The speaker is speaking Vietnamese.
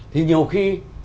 thì nhiều khi